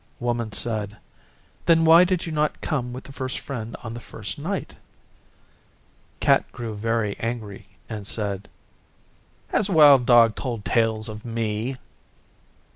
Woman said, 'Then why did you not come with First Friend on the first night?' Cat grew very angry and said, 'Has Wild Dog told tales of me?